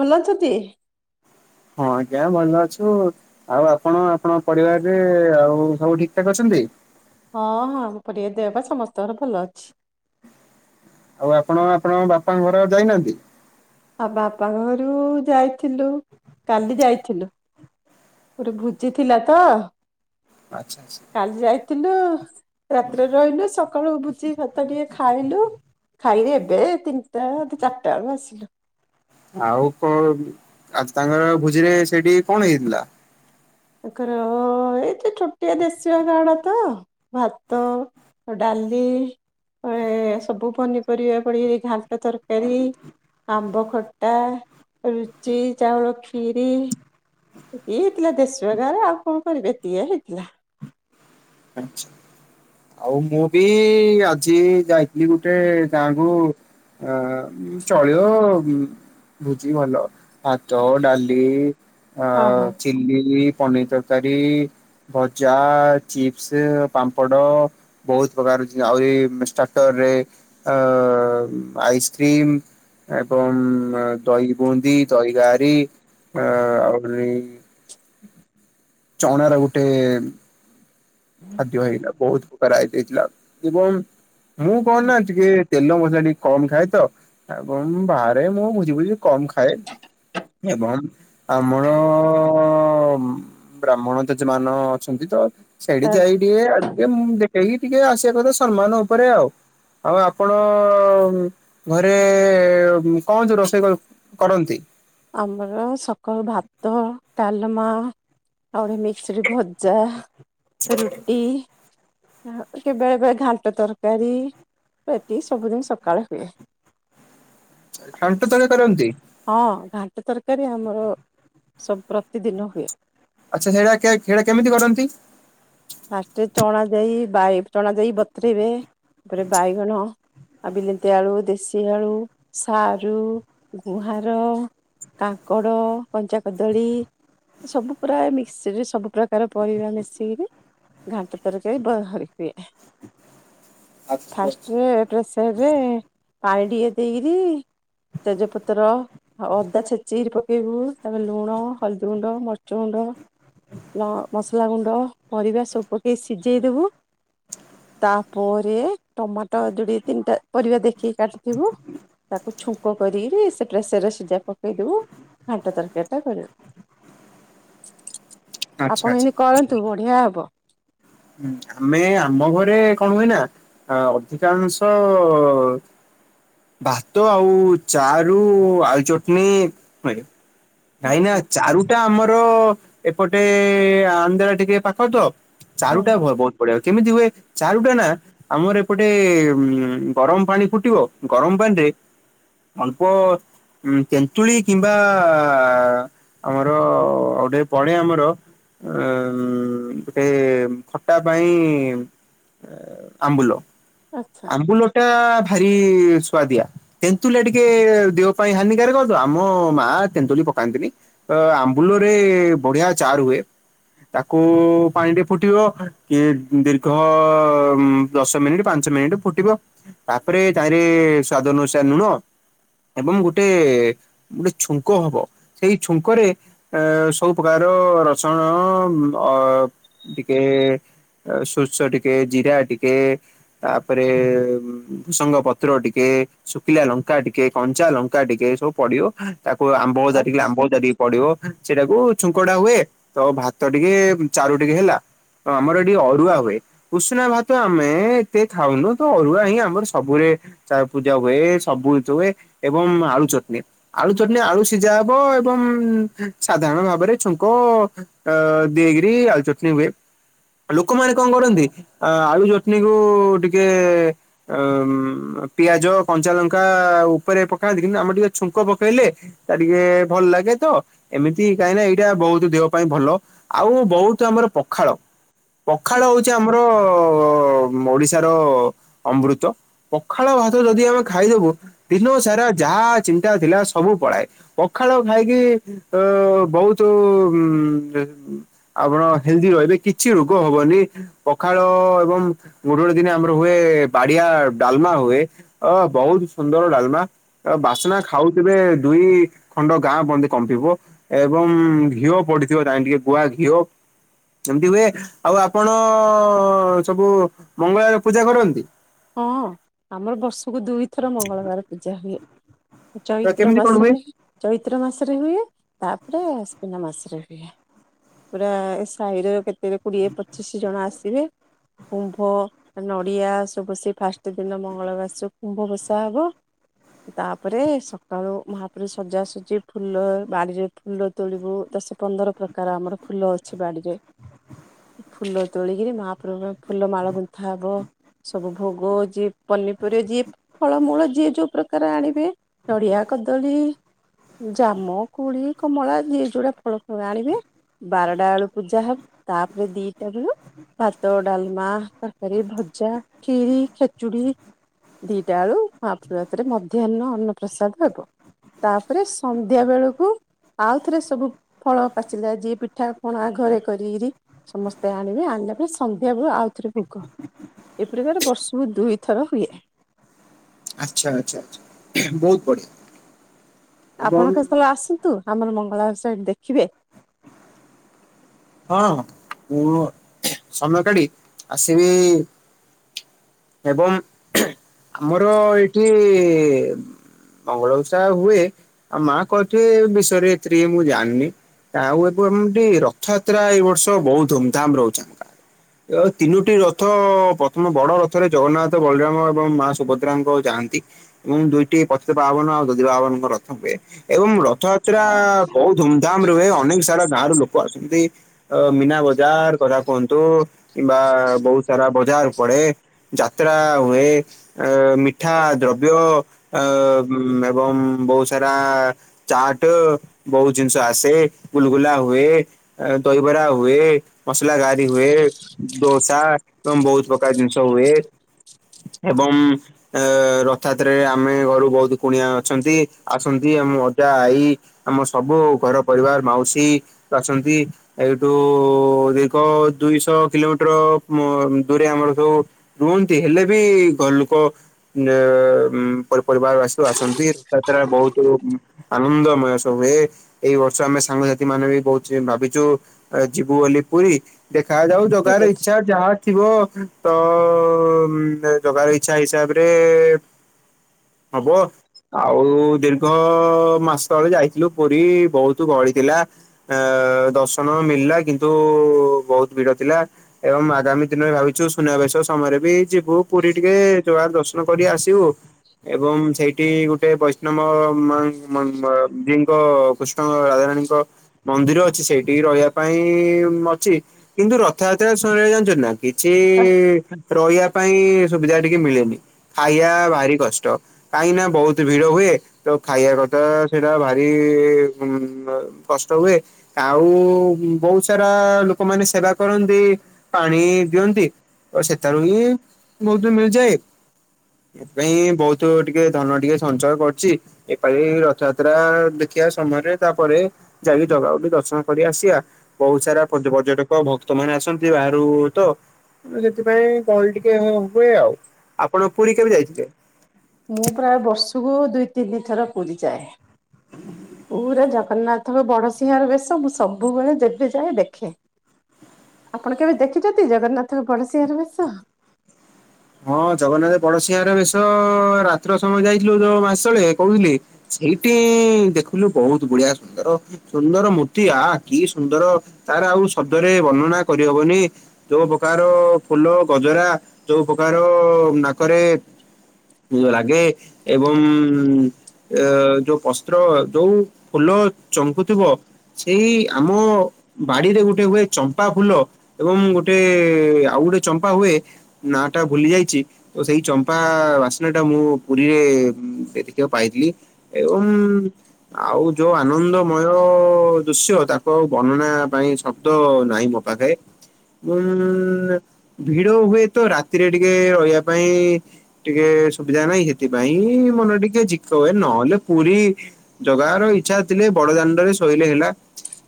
ଭଲ ଅଛନ୍ତି? ହଁ ଆଜ୍ଞା ଭଲ ଅଛୁ। ଆଉ ଆପଣ, ଆପଣଙ୍କ ପରିବାରରେ ଆଉ ସବୁ ଠିକ୍ ଠାକ୍ ଅଛନ୍ତି? ହଁ ହଁ ମୁଁ ପରିବାରରେ ଦେହ ପା ସମସ୍ତଙ୍କର ଭଲ ଅଛି। ଆଉ ଆପଣ ଆପଣଙ୍କ ବାପାଙ୍କ ଘର ଯାଇନାହାନ୍ତି? ଆ ବାପା ଘରୁ ଯାଇଥିଲୁ କାଲି ଯାଇଥିଲୁ। ଗୋଟେ ଭୋଜି ଥିଲା ତ। ଆଚ୍ଛା ଛା କାଲି ଯାଇଥିଲୁ ରାତିରେ ରହିଲୁ ସକାଳୁ ବୁଜି ଭାତ ଟିକେ ଖାଇଲୁ - - ଖାଇଲେ ଏବେ ତିନିଟା ଚାରିଟା ବେଳକୁ ଆସିଲୁ। ଆଉ କ ଆ ତାଙ୍କର ଭୋଜିରେ ସେଠି କଣ ହେଇଥିଲା? ତାଙ୍କର ଏଇ ଯେ ଛୋଟିଆ ଦେଶୀ ଗାଡ ତ ଭାତ ଡାଲି, ସବୁ ପନିପରିବା ପଡିକି ଘାଣ୍ଟ ତରକାରୀ ଆମ୍ବ ଖଟା, ରୁଚି ଚାଉଳ ଖ୍ରିରି ଇଏ ହେଇଥିଲା ଦେଶର ଗାଁରେ ଆଉ କଣ କରିବେ ଏ ହେଇଥିଲା। ଆଛା ଆଉ ମୁଁ ବି ଆଜି ଯାଇଥିଲି ଗୋଟେ ଗାଁକୁ ଆ ଚଳି ଅ- - ଭୁଜିଭଲ ଭାତ, ଡାଲି ଅ ହଁ ହଁ ଚିଲି, ପନିର ତରକାରୀ, ଭଜା ଚିପ୍ସ, ପାମ୍ପଡ଼ ବହୁତ ପ୍ରକାର ଆହୁରି ଷ୍ଟାର୍ଟରରେ- - ଆ ଆଇସ୍କ୍ର୍ରିମ୍- - ଏବଂ ଦହି ବୁନ୍ଦି, ଦହି ଗରି - - ଆ ଆହୁରି ଚଣ ର ଗୋଟେ - - ଖାଦ୍ୟ ହେଇଗଲା ବହୁତ ପ୍ରକାର ଆଇ ହେଇଥିଲା ଏବଂ ମୁଁ କହୁନାହା ଟିକେ - - ତେଲ ମସଲା ଟିକେ କମ ଖାଏ ତ ଏବଂ ବାହାରେ ମୁଁ ବୁଝିିବୁଝି କମ୍ ଖାଏ ଏବଂ ଆମର ଓଁ ବ୍ରାହ୍ମଣ ତେଜେମାନ ଅଛନ୍ତି ତ ସେଇଠି ହେଲା ଯାଇ ଟିକେ ଏ ଦେଖେଇକି ଟିକେ ଆସିବା କଥା ସମ୍ମାନ ଉପରେ ଆଉ ଆଉ ଆପଣ ଘରେ କଂ ହଉଚି ରୋଷେଇ କ କରନ୍ତି। ଆମର ସକାଳୁ ଭାତ, ଡାଲମା - - ଆଉେ ମିକ୍ସ ରି ଭଜା ରୁଟି - - କେବେଳେ ବଳେ ଘାଣ୍ଟ ତରକାରୀ ପ୍ରତି ସବୁଦିନ ସକାଳେ ହୁଏ। ଏମିତି ତାହେଲେ କରନ୍ତି। ହଁ ଘାଣ୍ଟ ତରକାରୀ ଆମର ସବୁ ପ୍ରତିଦିନ ହୁଏ। ଆଚ୍ଛା ସେଇଟା କେ କେମିତି କରନ୍ତି। ଫାଷ୍ଟରେ ଚଣା ଦେଇ ବାଇ ଚଣା ଯାଇ ବତରେଇବେ ତାପରେ ବାଇଗଣ ଆ ବିଲିତି ଆଳୁ, ଦେଶୀ ଆଳୁ, ସାରୁ, ଗୁହାର- - କାଙ୍କଡ଼, କଞ୍ଚା କଦଳୀ- - ସବୁ ପୁରା ମିକ୍ସସିରେ ସବୁ ପ୍ର୍ରକାର ପରିବା ମିଶେକିରି- - ଘଣ୍ଟା ତରକାରୀ ବ ହ ସି ଆଚ୍ଛା ଫାଷ୍ଟରେ ପ୍ରେସରେ ପାଣି ଟିକେ ଦେଇକିରି ତେଜପତ୍ର - - ଅ ଅଦା ଛେଚିକିରି ପକେଇବୁ ତାପରେ ଲୁଣ, ହଳଦୀ ଗୁଣ୍ଡ, ମର୍ଚ ଗୁଣ୍ଡ, - - ନା ମସଲା ଗୁଣ୍ଡ ପରିବା ସବୁ ପକେଇ ସିଝେଇଦବୁ ତାପରେ ଟମାଟୋ ଯୋଡିଏ ତିନିଟା ପରିବା ଦେଖିକି କାଟିଥିବୁ ତାକୁ ଛୁଙ୍କ କରିକିରି ସେ ପ୍ରେସରରେ ସିଝା ପକାଇଦେବୁ ଘାଣ୍ଟ ତରକାରୀଟା ସରିଲା। [unintelligible] ଆପଣ ଆଚ୍ଛା। ଏଇତି କରନ୍ତୁ ବଢିଆ ହବ। ହୁଁ ଆମେ ଆମ ଘରେ କଂ ହୁଏ ନା? ଆ ଅଧିକାଂଶ ଭାତ ଆଉ ଚାରୁ ଆଳୁ ଚଟଣି ମାଗେ। ନାଇଁ ନା ଆଚ୍ଛା ଚାରୁ ଟା ଆମର ଏପଟେ ଆନ୍ଧ୍ର ଟିକେ ପାଖ ତ ଚାରୁ ହଁ ଟା ଭ ବହୁତ ବଢିଆ ହୁଏ କେମିତି ହୁଏ? ଚାରୁଟା ନା ଆମର ଏପଟେ ଉଁ ଗରମ ପାଣି ଫୁଟିବ ଗରମ ପାଣିରେ ଅଳ୍ପ ଉଁ ତେନ୍ତୁଳି କିମ୍ବା ଆ ଆମର ଆଉଟେ ପଡେ ଆମର ଆଁ ଉଁ ଗୋଟେ ଖଟା ପାଇଁ ଆମ୍ବୁଲ ଆଚ୍ଛା। ଆମ୍ବୁଲ ଟା ଭାରି ସୁଆଦିଆ। ତେନ୍ତୁଲିଆ ଟିକେ ଦେହ ପାଇଁ ହାନିକାରକ ତ ଆମ ମା ତେନ୍ତୁଳି ପକାନ୍ତିନି। ଆ ଆମ୍ବୁଲରେ ବଢିଆ ଚାରୁ ହୁଏ ତାକୁ ପାଣିରେ ଫୁଟିବ ଇଏ ଦୀର୍ଘ ଦଶ ମିନିଟ ପାଞ୍ଚ ମିନିଟ ଫୁଟିବ। ତାପରେ ତାହିଁରେ ସ୍ଵାଦ ଅନୁସାରେ ଲୁଣ ଏବଂ ଗୋଟେ ଗୋଟେ ଛୁଙ୍କ ହବ ସେଇ ଛୁଙ୍କରେ ଏ ସବୁ ପ୍ରକାର ରସୁଣ ଅ ଟିକେ ସୋରିଷ ଟିକେ ଜିରା ଟିକେ ତାପରେ ଭୃସଙ୍ଗ ପତ୍ର ଟିକେ ଶୁଖିଲା ଲଙ୍କା ଟିକେ କଞ୍ଚା ଲଙ୍କା ଟିକେ ସବୁ ପଡିବ ତାକୁ ଆମ୍ବ ଅଦା ଟିକେ ଆମ୍ବ ଅଦା ଟି ପଡିବ ସେଟାକୁ ଛୁଙ୍କଟା ହୁଏ ତ ଭାତ ଟିକେ ଚାରୁ ଟିକେ ହେଲା। ତ ଆମର ଏଠି ଅରୁଆ ହୁଏ। ଉଷୁନା ଭାତ ଆମେ କିଏ ଖାଉନୁ ତ ଅରୁଆ ହିଁ ଆମର ସବୁଳେ। ଚା ପୂଜା ହୁଏ ସବୁ ଜିନିସ ହୁଏ ଏବଂ ଆଳୁ ଚଟଣି। ଆଳୁ ଚଟନି ଆଳୁ ସିଝା ହବ ଏବଂ ସାଧାରଣ ଭାବରେ ଛୁଙ୍କ ଅ ଦେଇଗିରି ଆଲୁଚଟଣି ହୁଏ। ଲୋକମାନେ କଣ କରନ୍ତି ଅ ଆଳୁ ଚଟଣି କୁ ଟିକେ ଆ ମ୍ ପିଆଜ କଞ୍ଚା ଲଙ୍କା ଉପରେ ପକାନ୍ତି କିନ୍ତୁ ଆମେ ଟିକେ ଛୁଙ୍କ ପକେଇଲେ। ତା ଟିକେ ଭଲ ଲାଗେ ତ। ଏମିତି କାହିଁକିନା ଏଇଟା ବହୁତ ଦେହ ପାଇଁ ଭଲ ଆଉ ବହୁତ ଆମର ପଖାଳ ପଖାଳ ହଉଛି ଆମର ଓ ମ୍ ଓଡିଶାର ଅମୃତ ପଖାଳ ଭାତ ଯଦି ଆମେ ଖାଇଦବୁ ଦିନ ସାରା ଯାହା ଚିନ୍ତା ଥିଲା ସବୁ ପଳାଏ ପଖାଳ ଖାଇକି। ତ ବହୁତ ଉ ଦେ ଆପଣ ହେଲଦି ରହିବେ କିଛି ରୋଗ ହବନି। ପଖାଳ ଏବଂ ଗୋଟେ ଗୋଟେ ଦିନେ ଆମର ହୁଏ ବାଡିଆ ଡାଲମା ହୁଏ। ଅ ବହୁତ ସୁନ୍ଦର ଡାଲମା। ତା ବାସ୍ନା ଖାଉଥିବେ ଦୁଇ ଖଣ୍ଡ ଗାଁ ପନ୍ଦେ କମ୍ପିବ। ଏବଂ ଘିଅ ପଡିଥିବ ତାଇଁ ଟିକେ ଗୁଆ ଘିଅ। ଏମିତି ହୁଏ ଆଉ ଆପଣ ସବୁ ମଙ୍ଗଳାର ପୂଜା କରନ୍ତି। ହଁ ଆମର ବର୍ଷକୁ ଦୁଇଥର ମଙ୍ଗଳବାର ପୂଜା ହୁଏ। ତ ଚୈତ୍ର କେମିତି କଣ ହୁଏ? ମାସରେ ଚୈତ୍ର ମାସରେ ହୁଏ ତାପରେ ଆଶ୍ୱିନ ମାସରେ ହୁଏ। ପୁରା ଏ ସାହିର କେତ ଯେ କୋଡିଏ ପଚିଶି ଜଣ ଆସିବେ କୁମ୍ଭ ନଡିଆ ବସ ଫାଷ୍ଟ ଦିନ ମଙ୍ଗଳବାରସ କୁମ୍ଭ ବସା ହବ। ତାପରେ ସକାଳୁ ମହାପ୍ରୁ ସଜାସଜି ଫୁଲ ବାଡ଼ିରେ ଫୁଲ ତୋଳିବୁ ଦଶ ପନ୍ଦର ପ୍ରକାର ଆମର ଫୁଲ ଅଛି ବାଡିରେ [inaudible] ଫୁଲୋ ତୋଳି କିରି ମାପୁରୁକର ଫୁଲୋ ମାଳ ଗୁନ୍ଥା ହବ ସବୁ ଭୋଗ ଜିିବ୍ ପନିପରିବା ଯିବ୍ ଫଳମୂଳ ଯିଏ ଯୋଉ ପ୍ରକାର ଆଣିବେ ନଡିଆ କଦଳୀ ଜାମ୍ମୁ କୁଳି କମଳା ଏ ଯୋଉଟା ଫଳ ଫଳ ଆଣିବେ ବାରଟା ବେଳୁ ପୂଜା ହବ ତାପରେ ଦିଟା ବେଳୁ ଭାତ ଡାଲ୍ମା ତରକାରୀ ଭଜା ଖିରି ଖେଚୁଡ଼ି ଦିଇଟା ବେଳୁ ମହାପ୍ରାତରେ ମଧ୍ୟାହ୍ନ ଅନ୍ନପ୍ରସାଦ ହେବ। ତାପରେ ସନ୍ଧ୍ୟା ବେଳକୁ। ଆଉଥରେ ସବୁ ଫଳ ପାଚିଲା ଯିଏ ପିଠା ପଣା ଘରେ କରିକିରି ସମସ୍ତେ ଆଣିବେ ଆଣିଲା ପରେ ସନ୍ଧ୍ୟାବେ ଆଉଥରେ ଭୋଗ ଏପ୍ରକାର ବର୍ଷକୁ ଦୁଇଥର ହୁଏ ଆଚ୍ଛା ଆଛା ଆଛା ବହୁତ ବଢିଆ ଏବଂ ଆପଣ କେତେବେଳେ ଆସନ୍ତୁ ଆମର ମଙ୍ଗଳା ଓଷା ଦେଖିବେ ହଁ ମୁଁ ସମୟ କାଢି ଆସିବି ଏବଂ ଆମର ଏଇଠି ମଙ୍ଗଳ ଉଷା ହୁଏ ଆଉ ମା କହିଥିବେ ଏ ବିଷୟରେ ଏତିରେ ମୁଁ ଜାଣିନି ଆଉ ଏ ଏମତି ରଥଯାତ୍ରା ଏଇ ବର୍ଷ ବହୁତ ଧୁମଧାମ୍ ରେ ରହୁଛି ଆମ ଏ ତିନୋଟି ରଥ ପ୍ରଥମ ବଡ ରଥରେ ଜଗନ୍ନାଥ ବଳରାମ ଏବଂ ମା ସୁବଦ ରଙ୍କ ଯାଆନ୍ତି ଏବଂ ଦୁଇଟି ପତିତ ବାବନ ଆଉ ଦଦି ବାବନଙ୍କ ରଥ ଟି ହୁଏ। ଏବଂ ରଥଯାତ୍ରା ବହୁତ ଧୁମଧାମ୍ ରେ ହୁଏ ଅନେକ ସାରା ଗାଁ ର ଲୋକ ଏ ଅ ମୀନା ବଜାର କଥା କୁହନ୍ତୁ କିମ୍ବା ବହୁତ୍ ସାରା ବଜାର ପଡେ ଯାତ୍ରା ହୁଏ ଅ ମିଠା ଦ୍ରବ୍ୟ ଅ ଉ ଏବଂ ବହୁତ ସାରା ଚାଟ୍ ବହୁତ ଜିନିଷ ଆସେ ଗୁଲୁଗୁଲା ହୁଏ ଦହିବରା ହୁଏ ମସଲା ଗାରି ହୁଏ ଦୋସା ଏବଂ ବହୁତ ପ୍ରକାର ଜିନିଷ ହୁଏ ଏବଂ ଏ ରଥଯାତ୍ରରେ ଆମେ ଘରୁ ବହୁତ କୁଣିଆ ଅଛନ୍ତି ଆସନ୍ତି ଆମ ଅଜା ଆଈ ଆମ ସବୁ ଘର ପରିବାର ମାଉସୀ ଅଛନ୍ତି ଏଇଠୁ ଦୀର୍ଘ ଦୁଇଶହ କିଲୋମିଟର ଦୂରେ ଆମର ଯଉ ରୁହନ୍ତି ହେଲେ ବି ଘର ଲୋକ ପରି ପରିବାର ବାସୁ ଆସନ୍ତି ତା ଛଡ଼ା ବହୁତ୍ ଆନନ୍ଦମୟ ସବୁ ହୁଏ ଏଇ ବର୍ଷ ଆମେ ସାଙ୍ଗସାଥି ମାନେ ବି ବହୁତ୍ ସେ ଭାବିଛୁ ଯିବୁ ବୋଲି ପୁରୀ ଦେଖା ଯାଉ ଠିକ ଜଗାର ଅଛି। ଇଚ୍ଛା ଯାହା ଥିବ ତ ଜଗାର ଇଚ୍ଛା ହିସାବରେ ହବ ଆଉ ଦୀର୍ଘ ମାସ ତଳେ ଯାଇଥିଲୁ ପୁରୀ ବହୁତ୍ ଗଳି ଥିଲା ଆ ଦର୍ଶନ ମିଳିଲା କିନ୍ତୁ ବହୁତ୍ ଭିଡ ଥିଲା ଏବଂ ଆଗାମୀ ଦିନରେ ଭାବିଛୁ ସୁନାବେଶ ସମୟରେ ବି ଯିବୁ ପୁରୀ ଟିକେ ଦର୍ଶନ କରି ଆସିବୁ ଏବଂ ସେଇଠି ଗୋଟେ ବୈଷ୍ଣବ ମ ଡ଼ି ଙ୍କ ତ ରାଜା ରାଣୀଙ୍କ ମନ୍ଦିର ଅଛି ସେଇଠିକି ରହିବା ପାଇଁ ଅଛି କିନ୍ତୁ ରଥଯାତ୍ରା [unintelligible] କିଛି ରହିବା ପାଇଁ ସୁବିଧା ଟିକେ ମିଳେନି ଖାଇବା ଭାରି କଷ୍ଟ। କାହିଁକି ନା ବୋହୁତ ଭିଡ ହୁଏ। ତ ଖାଇବା କଥା ସେଇଟା ଭାରି [unintelligible] ତ ହୁଏ ଆଉ ବହୁତ ସାରା ଲୋକମାନେ ସେବା କରନ୍ତି। ପାଣି ଦିଅନ୍ତି ତ ସେଠାରୁ ହିଁ ବହୁତ ମିଳିଯାଏ। ଏ ପାଇଁ ବହୁତ ଟିକେ ଧନ ଟିକେ ସଞ୍ଚୟ କରୁଛି। ଏପାଳି ରଥଯାତ୍ରା ଦେଖିବା ସମୟରେ ତାପରେ। ଯାଇକି ଜାଗା କୁ ଟିକେ ଦର୍ଶନ କରି ଆସିବା ବହୁତ ସାରା ପର୍ଯ୍ୟ ପର୍ଯ୍ୟଟକ। ତମାନୋନେ ଆସନ୍ତି ବାହାରୁ ତ। ସେଥିପାଇଁ ଗହଳି ଟିକେ ହୁଏ ଆଉ ଆପଣ ପୁରୀ କେ ବି ଯାଇଥି ମୁଁ ପ୍ରାୟ ବର୍ଷକୁ ଦୁଇ ତିନି ଥର ପୁରୀ ଯାଏ ପୁରା ଜଗନ୍ନାଥଙ୍କ ବଡ଼ସିଂହାର ବେଶ ମୁଁ ସବୁବେଳେ ଯେବେ ଯାଏ ଦେଖେ। ଆପଣ କେବେ ଦେଖିଛନ୍ତି ଜଗନ୍ନାଥଙ୍କବଡ଼ସିଂହାର ବେଶ। ହଁ ଜଗନ୍ନାଥ ବଡସିଂହର ବେଶ ରାତ୍ର ସମୟ ଯାଇଥିଲୁ ଯୋଉ ମାସ ତଳେ କହୁଥିଲି। ସେଇଠି ଦେଖିଲୁ ବହୁତ ବୁଢିଆ ସୁନ୍ଦର। ସୁନ୍ଦର ମୂର୍ତ୍ତି ଆ କି ସୁନ୍ଦର ତାର ଆଉ ଶବ୍ଦରେ ବର୍ଣ୍ଣନା କରିହବନି। ଯୋଉ ପ୍ରକାର ଫୁଲ ଗଜରା ଯୋଉ ପ୍ରକାର ନାକରେ। [unintelligible] ରାଗେ ଏବଂ। ଯୋଉ ପସ୍ତ୍ର ଯୋଉ ଫୁଲ ଚମ୍ଙ୍କୁଥିବ। ସେଇ ଆମ ବାଡିରେ ଗୋଟେ ହୁଏ ଚମ୍ପା ଫୁଲ। ଏବଂ ଗୋଟେ ଆଉ ଗୋଟେ ଚମ୍ପା ହୁଏ ନା ଟା ଭୁଲି ଯାଇଛି। ତ ସେଇ ଚମ୍ପା ବାସ୍ନା ଟା ମୁଁ ପୁରୀରେ ଦେ ଦେଖିବା ପାଇଥିଲି। ଏବଂ। ଆଉ ଯୋଉ ଆନନ୍ଦମୟ ଦୃଶ୍ୟ ତାକୁ ଆଉ ବର୍ଣ୍ଣନା ପାଇଁ ଶବ୍ଦ ନାହିଁ। [unintelligible] ଉ ଭିଡ଼ ହୁଏ ତ ରାତି। ରାତିରେ ଟିକେ ରହିବା ପାଇଁ। ଟିକେ ସୁବିଧା ନାହିଁ ସେଥିପାଇଁ ମନ ଟିକେ ଝିକ ହୁଏ ନହେଲେ ପୁରୀ। ଜଗାାର ଇଚ୍ଛା ଥିଲେ ବଡ ଦାଣ୍ଡରେ ଶୋଇଲେ ହେଲା।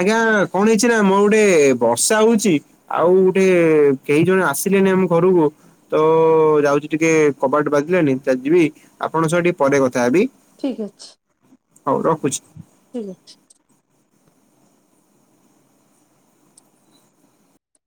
ଆଜ୍ଞା କଣ ହେଇଛି ନା ମୋ ଗୋଟେ ବର୍ଷା ହଉଛି। ଆଉ ଗୋଟେ କେଇ ଜଣ ଆସିଲେନି ଆମ ଘରକୁ। ତ ଯାଉଛି ଟିକେ କବାଟ ବାଜିଲେନି ଯିବି ଆପଣଙ୍କ ସହ ଟିକେ ପରେ କଥା ହେବି। ଠିକ ଅଛି। ହଉ ରଖୁଛି। ଠିକ୍ ଅଛି।